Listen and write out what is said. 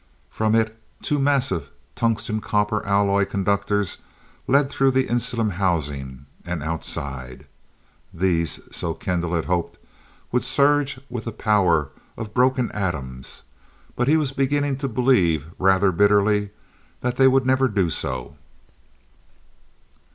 From it, two massive tungsten copper alloy conductors led through the insulum housing, and outside. These, so Kendall had hoped, would surge with the power of broken atoms, but he was beginning to believe rather bitterly, they would never do so.